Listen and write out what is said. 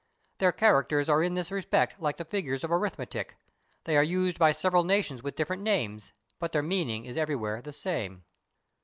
Their characters are in this respect like the figures of arithmetic. They are used by several nations with different names, but their meaning is everywhere the same.